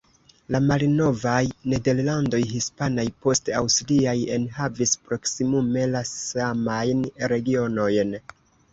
La malnovaj Nederlandoj hispanaj, poste aŭstriaj enhavis proksimume la samajn regionojn.